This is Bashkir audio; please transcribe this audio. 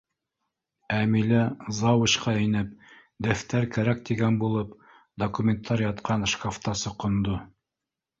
Әмилә, завучҡа инеп, дәфтәр кәрәк тигән булып, документтар ятҡан шкафта соҡондо.